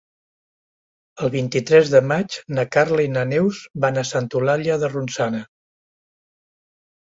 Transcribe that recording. El vint-i-tres de maig na Carla i na Neus van a Santa Eulàlia de Ronçana.